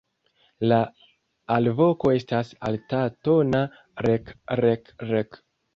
La alvoko estas altatona "rek-rek-rek".